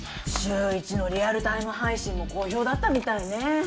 週１のリアルタイム配信も好評だったみたいね。